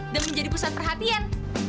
dan menjadi pusat perhatian